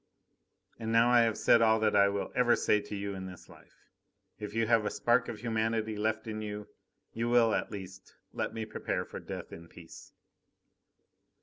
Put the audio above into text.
And now I have said all that I will ever say to you in this life. If you have a spark of humanity left in you, you will, at least, let me prepare for death in peace."